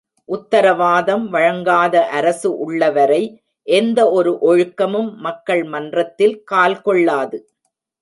உத்தரவாதம் வழங்காத அரசு உள்ளவரை எந்த ஒரு ஒழுக்கமும் மக்கள் மன்றத்தில் கால் கொள்ளாது.